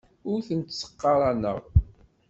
Ur tent-ttqaraneɣ.